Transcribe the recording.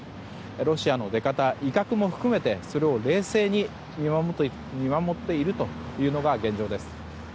ロシアの出方、威嚇も含めてそれを冷静に見守っているというのが現状です。